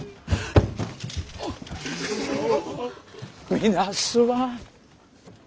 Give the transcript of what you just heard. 皆すまん。